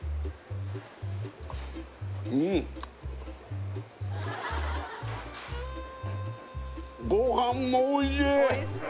うーんご飯もおいしい！